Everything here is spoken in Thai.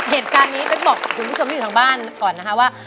เหตุการณ์นี้เป๊กบอกคุณผู้ชมที่อยู่ทางบ้านก่อนนะคะว่า